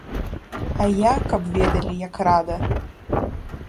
А я, каб ведалі, як рада!